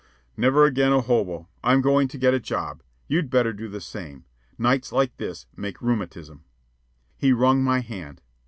"Never again a hobo. I'm going to get a job. You'd better do the same. Nights like this make rheumatism." He wrung my hand.